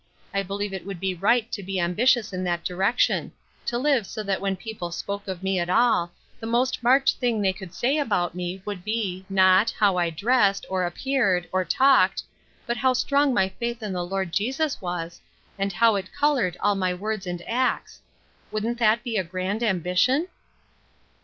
I believe it would be right to be ambitious in that direction • to live so that when people spoke of me at all. the most marked thing they could say about me would be, not, how I dressed, or appeared, or talked, but how strong my faith in the Lord Jesus wa8, and how it colored all my words and 132 Ruth Erskine^s Crosses, acts. Wouldn't that be a grand ambition